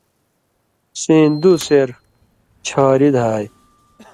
سیں دُو سېر چھواری دھا آئ